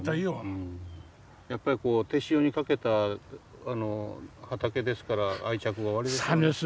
やっぱりこう手塩にかけた畑ですから愛着はおありでしょうね。